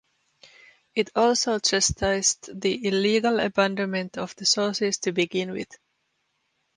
It also chastised the illegal abandonment of the sources to begin with.